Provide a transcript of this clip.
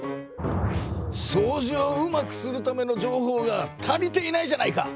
そうじをうまくするための情報が足りていないじゃないか！